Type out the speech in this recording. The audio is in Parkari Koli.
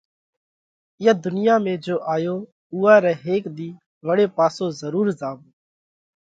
اِيئا ڌُنيا ۾ جيو آيو اُوئا رئہ هيڪ ۮِي وۯي پاسو ضرور زاوَو۔